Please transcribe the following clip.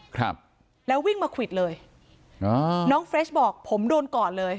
ครับแล้ววิ่งมาควิดเลยอ่าน้องเฟรชบอกผมโดนก่อนเลย